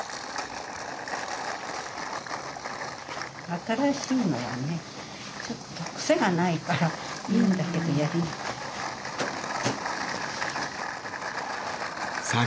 新しいのはねちょっとクセがないからいいんだけどやりにくい。